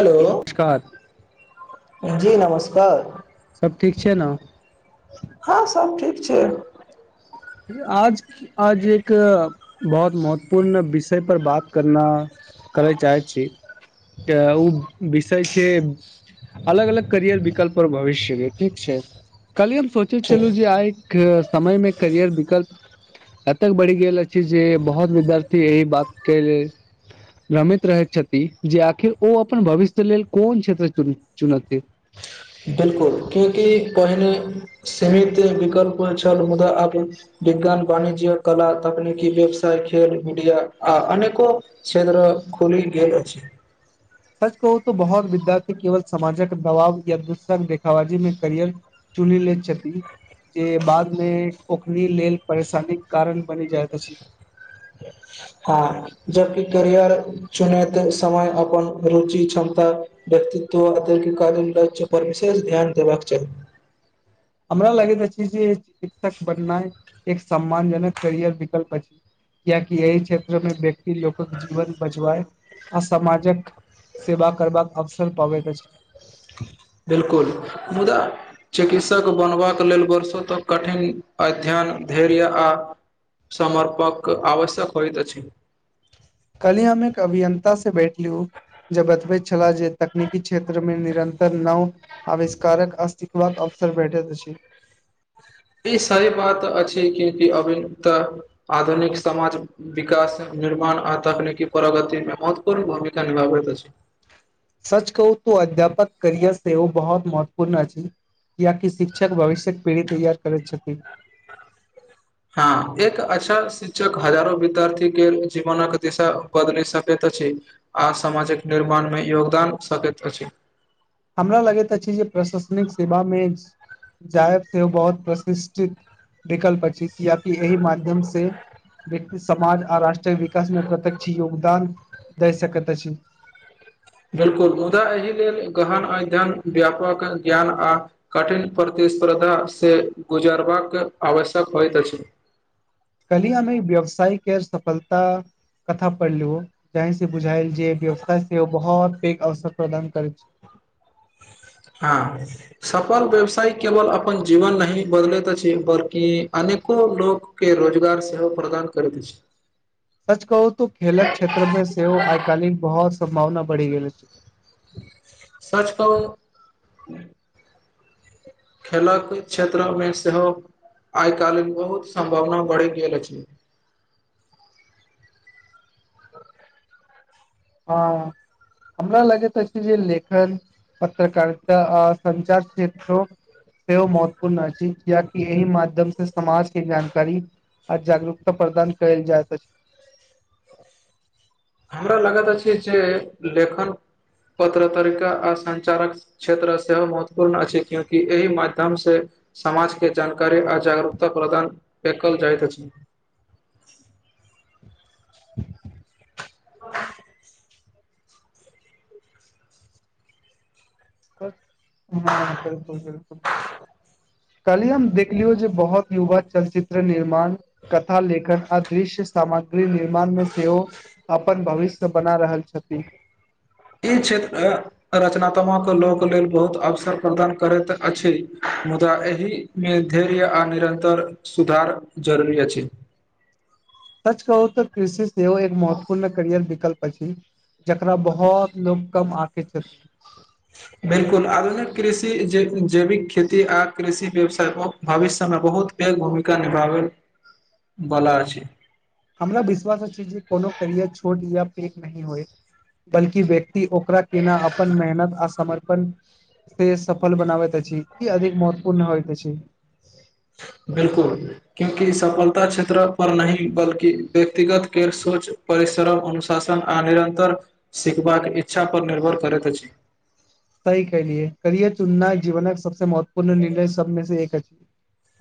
hello नमस्कार जी नमस्कार सब ठीक छै ने हँ सभ ठीक छै आज आज एक बहुत महत्वपूर्ण विषय पर बात करना करय चाहे छी तऽ ओ विषय छै अलग अलग करियर विकल्प पर भविष्यके ठीक छै काल्हि हम सोचे छलहुँ जे ठीक आइक समय मे करियर विकल्प एतेक बढ़ि गेल अछि जे बहुत विद्यार्थी एहि बात के लेल रमैत रहैत छथि जे आखिर ओ अपन भविष्य लेल कोन क्षेत्र चुनी चुनथि [inaudible] बिलकुल क्यूँकि पहिने सीमित विकल्प छल मुदा आब विज्ञान वाणिज्य कला तकनीकी व्यवसाय खैर मिडिया आ अनेको क्षेत्र खुलि गेल अछि सच कहू तऽ बहुत विद्यार्थी केवल समाजक दबाव या दोसरक देखाबाजी मे करियर चुनि लैत छथि जे बादमे ओखनी लेल परेशानीक कारण बनि जाइत अछि हँ जबकि करियर चुनेत समय अपन रुचि क्षमता व्यक्तित्व तय के कारण लक्ष्य पर विशेष ध्यान देबाक चाही हमरा लगैत अछि जे शिक्षक बननाय एक सम्मानजनक करियर विकल्प अछि कियैकि यहि क्षेत्रमे व्यक्ति लोकक जीवन बचवाए आ समाजक सेवा करबाक अवसर पाबैत अछि बिलकुल मुदा चिकित्सक बनबाक लेल वर्षो तक कठिन अध्ययन धैर्य आ समर्पक आवश्यक होइत अछि काल्हि हम एक अभियंता से बैठलूं जे बतबैत छला जे तकनीकी क्षेत्र मे निरंतर नव आविष्कारक आ सिखबाक भेटत अछि [unintelligible] कि अभिन्नतः आधुनिक समाज विकासक निर्माण आ तकनीकी प्रगतिमे महत्वपूर्ण भूमिका निभाबैैत अछि सच कहू तऽ अध्यापक करियर सेहो बहुत महत्वपूर्ण अछि कियै कि शिक्षक भविष्यक पीढ़ी तैयार करैत छथि हँ एक अच्छा शिक्षक हजारो विद्यार्थी गेल जीवनक दिशा बदलि सकैत अछि आ समामाजक निर्माणमे योगदान सकैत अछि हमरा लगैत अछि जे प्रशासनिक सेवा मे जायब सेहो बहुत प्रतिष्ठित विकल्प अछि किया कि एहि माध्यम से व्यक्ति समाज आ राष्ट्रीय विकास मे प्रत्यक्ष योगदान दै सकैत अछि बिलकुल मुदा एहि लेल गहन अध्ययन व्यापक ज्ञान आ कठिन प्रति प्रतिस्पर्धा से गुजारबाक आवश्यक होइत अछि काल्हि हम व्यवसाय केर सफलता कथा पढ़लौं तहि से बुझायल जे व्यवसाय छै ओ बहुत पैघ अवसर प्रदान करै छै हँ सफल व्यवसाय केवल अपन जीवन नहि बदलैत अछि बल्कि अनेक अनेको लोक के रोजगार सेहो प्रदान करैत अछि सच कहू तऽ खेलक क्षेत्रमे सेहो आइ काल्हि बहुत सम्भावना बढ़ि गेल अछि सच कहू खेलक क्षेत्र मे सेहो आइ काल्हि बहुत सम्भावना बढ़ि गेल अछि हँ हमरा लगैत अछि अछि जे लेखन पत्रकारिता आ संचार क्षेत्र सेहो महत्वपूर्ण अछि किाकि एहिह माध्यम से समाजके जानकारी आ जागरूकता प्रदान कल जाय त अछि हमरा लागैत अछि जे लेखन पत्रकारिता आ संचारक क्षेत्र सेहो महत्वपूर्ण अछि क्यूंकि एहि माध्यम से समाजके जानकारी आ जागरूकता प्रदान कएल जाइत अछि [inaudible] [inaudible] आओ [unintelligible] हँ बिलकुल बिलकुल अछि आ कलहि हम देखलियौ जे बहुत युवा चलचित्र निर्माण कथा लेखन आ दृश्य सामग्री निर्माण मे सेहो अपन भविष्य बना रहल छथिन [inaudible] ई क्षेत्र रचनात्मक लोक लेल बहुत अवसर प्रदान करैत अछि मुदा एहि मे धैर्य आ निरन्तर सुधार जरूरी अछि [inaudible] सच कहू त कृषि सेहो एक महत्वपूर्ण करियर विकल्प जकरा बहुत लोक कम आँके छथिन बिल्कुल आधुनिक कृषि जैविक खेती आ कृषि व्यवसायको भविष्यमे मेक बहुत पेघ भूमिका निभाबे बला छैय हमरा विश्वास अछि जे कोनो करियर छोट या पेघ नहि होय बल्कि व्यक्ति ओकरा केना अपन मेहनत अआ समर्पण से सफल बनाबै त अछि ई अधिक महत्वपूर्ण होैत अछि [inaudible] बिल्कुल क्योंकि सफलता क्षेत्र क पर नहि बल्कि व्यक्तिगत के सोच पर सरम अनुशासन आ निरन्तर सिखबाक इच्छा पर निर्भर करैत अछि सही कलिऐ करियर चुननाए जीवनक सबसँ महत्वपूर्ण निर्णय सबमे से एक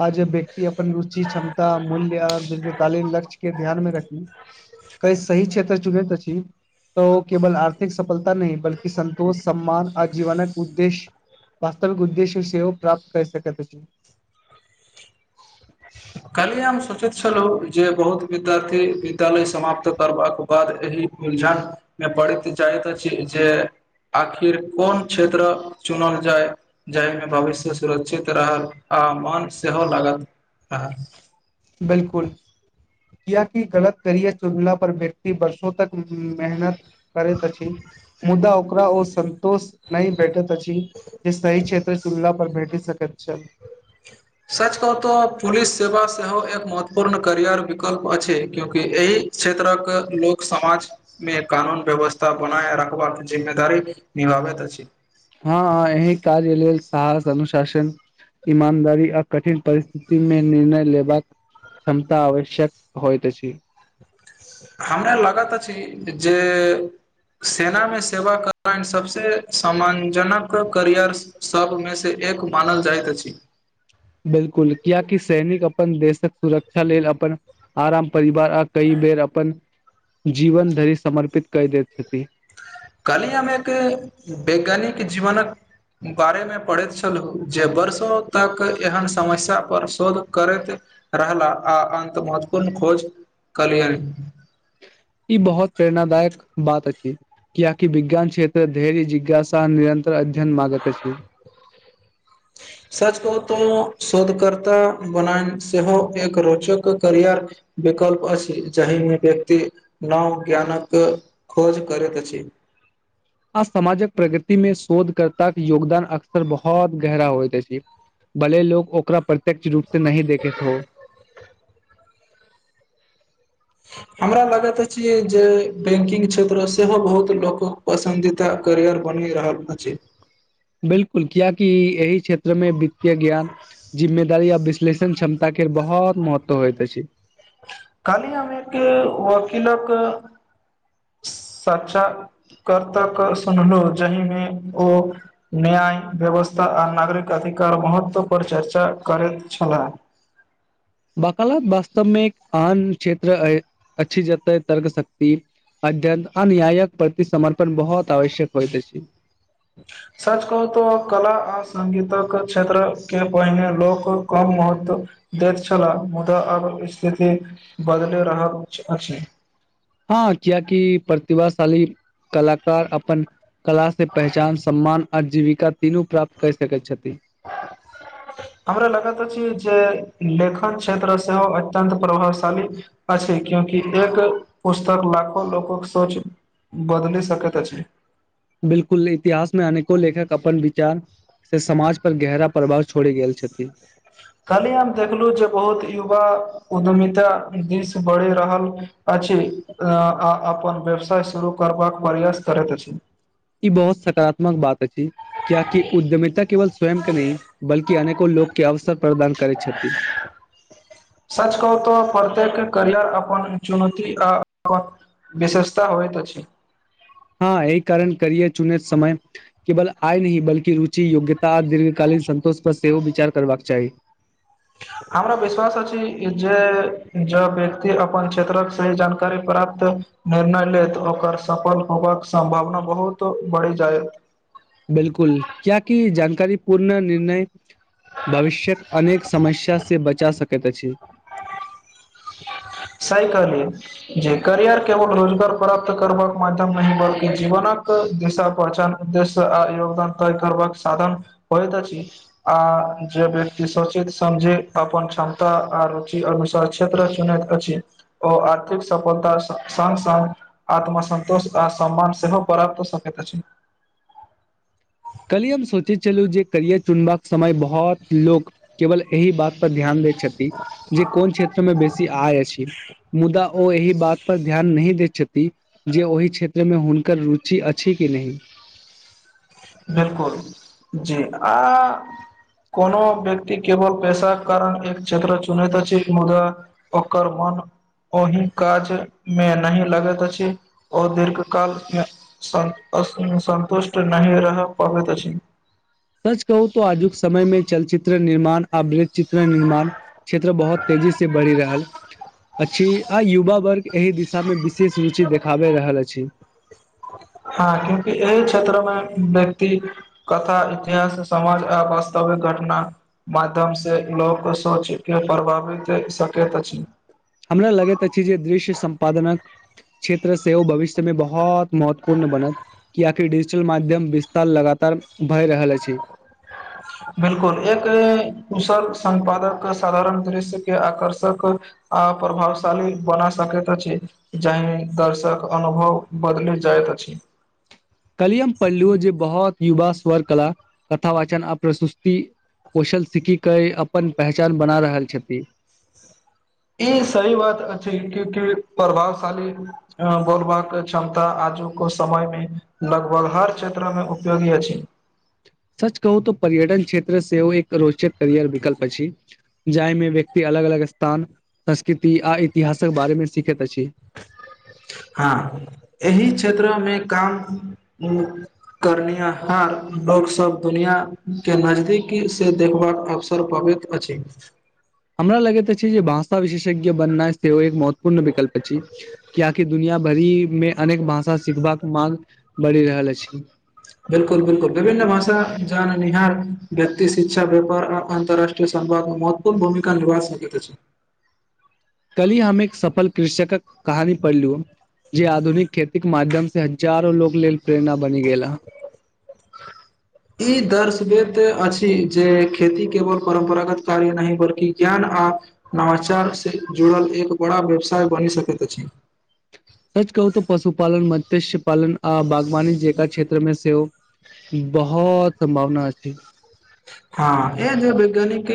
आज व्यक्ति अपन रुचि क्षमता मूल्य आ दीर्घ कालीन लक्ष्य के ध्यान मे रखी कइ सही क्षेत्र चुनैए त छी त केवल आर्थिक सफलता नहि बल्कि संतोष सम्मान आ जीवनक उद्देश्य वास्तविक उद्देश्य सेहो प्राप्त कैऐ सकै अछि [inaudible] काल्हि हम सोचैत छलौ जे बहुत विद्यार्थी विद्यालय समाप्त करबाक बाद एहि उलझन मे पड़ैत जाइत अछि जे आखिर कोन क्षेत्र चुनल जाय जाहिमे भविष्य सुरक्षित रहल आ त मन सेहो लागत आ बिल्कुल किय कि गलत करियर चुनला पर व्यक्ति बर्षों तक मेहनत करैत अछि मुदा ओकरा ओ संतोष नहि भेटैत अछि जे सही क्षेत्र चुनल्ला पर भेटै सकैत चल [inaudible] सच कहू तऽ पुलिस सेवा सेहो एक महत्वपूर्ण करियर विकल्प अछि क्यूंकि एहि क्षेत्रक लोक समाज मे कानून व्यवस्था बनाए रखबाक जिम्मेदारी क बाब छै [inaudible] हँ एहि काज लेल साहस अनुशासन ईमानदारी आ कठिन परिस्थिति मे निर्णय लेबाक क्षमता आवश्यक होइत अछि हमरा लग तऽ छैय जे सेना मे सेवा करन सबसे सम्मानजनक करियर सबमे से ए एक मानल जाइत अछि बिल्कुल कियाकि सैनिक अपन देशक सुरक्षा लेल अपन आराम परिवार आ कई बेर अपन जीवन धरि समर्पित कैय देल छथि काल्हि हम एक वैज्ञानिक जीवनक बारेमे पढ़ैत छलौ जे वर्षो तक एहन समस्यापर शोध करैत रहला आ अन्त महत्वपूर्ण खोज कलियैन ई बहुत प्रेरणा दायक बात अछि कियाकि विज्ञान क्षेत्र धैर्य जिज्ञासा निरन्तर अध्ययन मांगैत अछि [unintelligible] सच कहूं तऽ शोधकर्ता बना के सेहो एक रोचक करियर विकल्प अछि जहिमे व्यक्ति नव ज्ञानक खोज करैत अछि आ समाजक प्रगति मे शोधकर्ता के योगदान अक्सर बहुत गहरा होइत अछि भले लोक ओकरा प्रत्यक्ष रूप से नहि देखैत हो [unintelligible] हमरा लागत अछि जे बैंकिंग क्षेत्र सेहो बहुत लोक पसंदीता करियर बन रहत अछि बिल्कुल कियै कि एहि क्षेत्रमे वित्तय ज्ञान जिम्मे कार्य या विश्लेषण क्षमता के बहुत महत्व होइत अछि काल्हि हम एक वकीलक सचा करतक सुनलहु जहिमे ओ न्याय व्यवस्था आ नागरिक अधिकार महत्व पर चर्चा करैत छलाह वकालत वास्तवमे एक आन क्षेत्र अछि जत तर्कशक्ति अध्ययन अन्यायक प्रति समर्पण बहुत आवश्यक होइत अछि सच कहू त कला आ संगीतक क्षेत्र के पहिने लोक कम महत्व देत छला मुदा आब स्थिति बदल रहैत अछि हाँ कियकी प्रतिभाशाली कलाकार अपन कला से पहचान सम्मान आ जीविका तीनू प्राप्त कर सकैत छथिन ‌ [unintelligible] हमरा लगैत अछि जे लेखन क्षेत्र सेहो अत्यत प्रभावशाली अछि क्यों एक पुस्तक लाखो लोक सोच बदलि सकैत अछि बिल्कुल इतिहासमे अनेको लेखक अपन विचार से समाज पर गहरा प्रवाह छोड़ि गेल छथि काल्हि हम देखलू जे बहुत युवा उद्यमिता दिस बढ़ि रहल अ आ आ अपन व्यवसाय शुरू करबाक प्रयास करैत अछि ई बहुत सकारात्मक बात अछि कियाकि उद्यमिता केवल स्वयं के नहि बल्कि आने को ल लोकके अवसर प्रदान करैत छथि सच कहू तऽ प्रत्येक करियर अपन चुनौती आ अपन विशेषता होइ होइत अछि हाँ यहि कारण करियैर चुने समय केवल आय नहि बल्कि रुचि योग्यता आ दीर्घकाल सन्तोष पर सेहो विचार करबाक चाही हमरा विश्वास अछि जे जब व्यक्ति अपन क्षेत्रक सही जानकारी प्राप्त निर्णय लेत ओकर सफल होबाक सम्भावना बहुत बढ़ि जायत बिल्कुल कियाकी जानकारी पूर्ण निर्णय भविष्यक अनेक समस्यासे बचा सकैत अछि [unintelligible] सही कहलिय जे करियर केवल रोजगार प्राप्त करबाक माध्यम नहि बल्कि जीवनक देशक पहचान उदे्दय आ योगदान तय करबाक साधन होइत अछि आ जे व्यक्ति सोचे समझे अपन क्षमता आ रुचि अनुसार क्षेत्र चुनैत अछि ओ आर्थिक सफलता संग संगसाथ आत्मसन्तोष आ सम्मान सेहो प्राप्त हो सकैत अछि चलू जे करियर चुनबाक समय बहुत लोक केवल एहि बात पर ध्यान दे छथि जे कोन क्षेत्र मे बेसी आय अछि मुदा ओ एहि बात पर ध्यान नहि दे जे ओहि क्षेत्रमे हुनकर रुचि अछि कि नहि बिल्कुल जी आ कोनो व्यक्ति केवल पैसाके कारण एक क्षेत्र चुनैत अछि मुदा ओकर मन ओहि काज मे नहि लगैत अछि ओ दीर्घ कालमे सब सन्तुष्ट नहि रह पाबैत अछि सच कहूत आजुक समयमे चलचित्र निर्माण आवृ चित्र निर्माण क्षेत्र बहुत तेजी से बढ़ि रहल अछि आ युवा वर्गके एहि दिशामे विशेष रुचि देखाबे रहल अछि हाँ क्यूकि एहि क्षेत्र मे व्यक्ति कथा इतिहास समाज आ वास्तव घटना माध्यम से लोक सोच के प्रभावित सकैत अछि हमरा लगैत अछि जे दृश्य सम्पादनक क्षेत्र सेहो ओ भविष्यमे बहुत महत्वपूर्ण बनत कि आखिर डिजिटल माध्यम विस्तार लगात र भए रहल अछि [inaudible] बिल्कुल एक कुशल संपादक साधारण दृश्य के आकर्षक आ प्रभावशाली बना सकैत अछि जहि दर्शक अनुभव बदले जा जाइत अछि कलियम पढ़लु जे बहुत युवा स्वर कला कथा वाचन आ प्रसुति कौशल सिकखी कऽ अपन पहचान बना रहल छथिन ई सह बात छै क प्रभावशाली बोलबाक क्षमता आ लोको समय मे लगभग हर क्षेत्र मे उपयोगी अछि सच कहू त पर्यटन क्षेत्र से ओ एक रोचित करियर विकल्प छी जाहिमे व्यक्त अलग अलग स्थान संस्कृति आ इतिहास सब बारे मे सीखैत अछि हँ एहि क्षेत्रमे काम करनिहारहार लोकसभ दुनिया के नजदीकीकी से देखबाक अवसर पर होबैत अछि हमरा लगैत छै जे भाषा विशेषज्ञ बननाइ सेहो एक मत पूर्ण विकल्प छी कि आि दुनिया भरी मे अनेक भाषा सिखबाक मांग बढ़ि रहल अछि बिलकुल बिलकुल विभिन्न भाषा जाननिहार व्यक्ति शिक्षा व्यापार अन्तरराष्ट्रीय मत्वपूर्ण भूमिका निभा सकैत अछि काल्हि हम एक सफल कृषकक कहानी पढ़लु जे आधुनिक खेतीक के माध्यम से हजारो लोक लेल प्रेरणा बनि गेल हन [inaudible] ई दर्शबैत अछि जे खेती केवल परम्परागत कार्य नहि बल्कि ज्ञान आ नवचार से जुड़ल एक बड़ा व्यवसाय बनि सकैत अछि सच कहू त पशुपालन मत्सस्यपालन आ बागवान जेगा क्षेत्र मे सेहो बहुत सम्भावना अछि हँ य जे वैज्ञानिक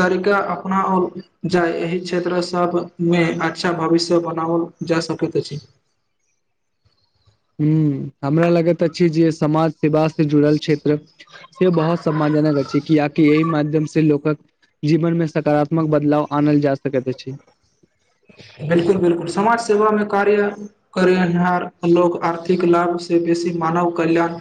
तरीका अपना आर जाय एहि क्षेत्रसँ मे अच्छा भविष्य बनाओल जा सकैत अछि ह हमरा लगत अ ची जे समाज सेवा से जुड़ल क्षेत्र से बहुत सम्मानजननक अछि किआकि यहि माध्यम से लोकक जीवनमे सकारात्मक बदलाव आनल जा सकैत अछि बिलकुल बिलकुल समाज सेवामे कार्य करनिहार लोको आर्थिक लाभ से बेसी मानव कल्याण